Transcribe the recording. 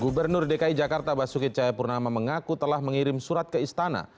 gubernur dki jakarta basuki cahayapurnama mengaku telah mengirim surat ke istana